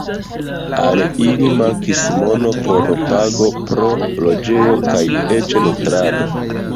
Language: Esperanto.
Al ili mankis mono por pago pro loĝejo kaj eĉ nutrado.